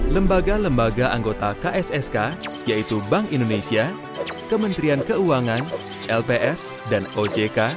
lembaga lembaga anggota kssk yaitu bank indonesia kementerian keuangan lps dan ojk